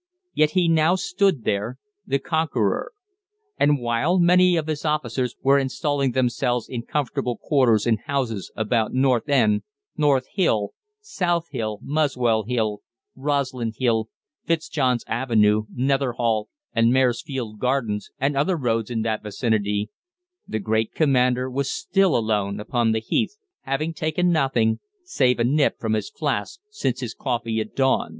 Yet he now stood there the conqueror. And while many of his officers were installing themselves in comfortable quarters in houses about North End, North Hill, South Hill, Muswell Hill, Roslyn Hill, Fitzjohn's Avenue, Netherhall, and Maresfield Gardens, and other roads in that vicinity, the great Commander was still alone upon the Heath, having taken nothing save a nip from his flask since his coffee at dawn.